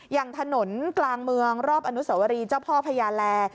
อย่างถนนกลางเมืองรอบอนุสวรีเจ้าพ่อพญาแล